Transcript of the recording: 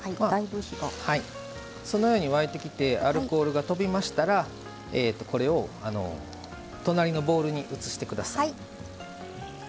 そのように沸いてきてアルコールがとびましたらこれを隣のボウルに移してください。